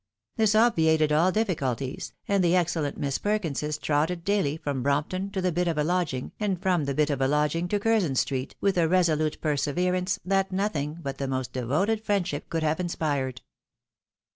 This obviated all diflioulties, and the excellent Miss Perkinses trotted daily frgm Brompton to the bit of a lodging, and from the bit of a lodging to Curzon street, with a resolute perseverance that nothing but the most devoted friend ship could have inspired.